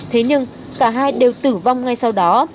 thế nhưng cả hai đều tử vong ngay sau đó